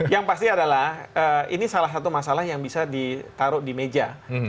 yang pasti adalah ini salah satu masalah yang bisa ditaruh di meja